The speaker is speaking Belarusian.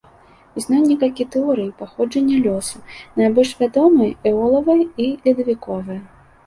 Існуе некалькі тэорый паходжання лёсу, найбольш вядомыя эолавая і ледавіковая.